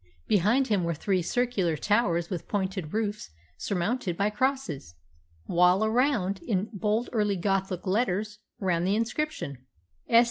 Behind him were three circular towers with pointed roofs surmounted by crosses, while around, in bold early Gothic letters, ran the inscription + S.